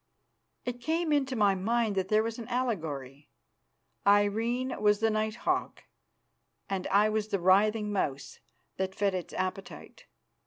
It came into my mind that here was an allegory. Irene was the night hawk, and I was the writhing mouse that fed its appetite.